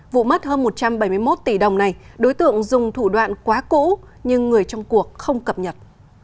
vụ mất hơn một trăm bảy mươi một tỷ đồng này đối tượng dùng thủ đoạn quá cũ nhưng người trong cuộc không cập nhật